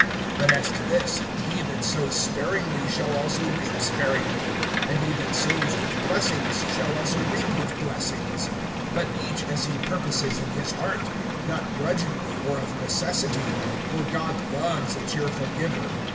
(6)But as to this, he that sows sparingly shall also reap sparingly; and he that sows with blessings shall also reap with blessings; (7)but each as he purposes in his heart, not grudgingly or of necessity, for God loves a cheerful giver.